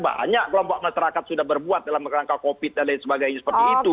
banyak kelompok masyarakat sudah berbuat dalam rangka covid dan lain sebagainya seperti itu